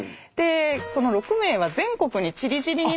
その６名は全国にちりぢりになって。